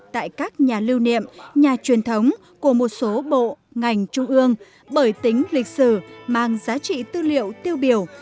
tại các nhà lưu niệm nhà truyền thống của một số bộ ngành trung ương bởi tính lịch sử mang giá trị tư liệu tiêu biểu